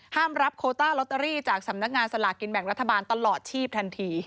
รับโคต้าลอตเตอรี่จากสำนักงานสลากินแบ่งรัฐบาลตลอดชีพทันที